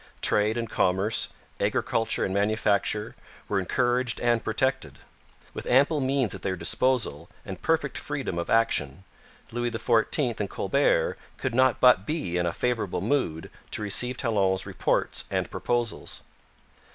Trade and commerce, agriculture and manufacture, were encouraged and protected. With ample means at their disposal and perfect freedom of action, Louis XIV and Colbert could not but be in a favourable mood to receive Talon's reports and proposals.